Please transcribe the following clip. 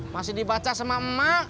masih dibaca sama emak